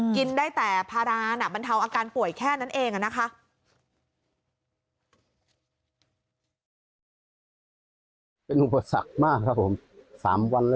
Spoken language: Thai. กินได้แต่พาราน่ะบรรเทาอาการป่วยแค่นั้นเองนะคะ